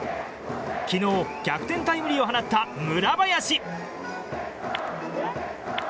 昨日、逆転タイムリーを放った村林。